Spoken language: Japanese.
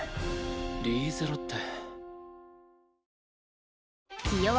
リーゼロッテ。